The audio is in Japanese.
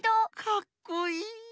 かっこいい。